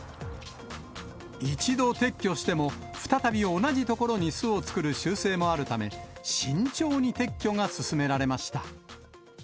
一度撤去しても、再び同じ所に巣を作る習性もあるため、慎重に撤去が進められました。